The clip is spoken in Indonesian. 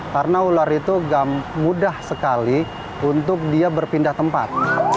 karena ular itu mudah sekali untuk dia berpindah tempat